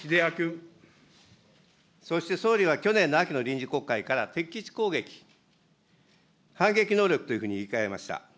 そして、総理は去年の秋の臨時国会から、敵基地攻撃、反撃能力というふうに言い換えました。